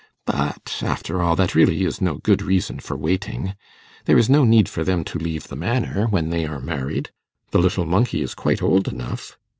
But, after all, that really is no good reason for waiting. There is no need for them to leave the Manor when they are married. The little monkey is quite old enough.